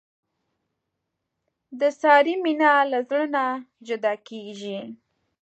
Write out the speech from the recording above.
د سارې مینه له زړه نه جدا کېږي.